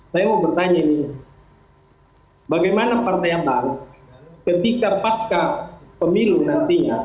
saya mau bertanya ini bagaimana partai yang baru ketika pasca pemilu nantinya